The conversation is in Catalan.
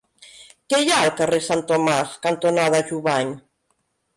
Què hi ha al carrer Sant Tomàs cantonada Jubany?